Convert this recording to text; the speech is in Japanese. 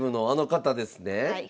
はい。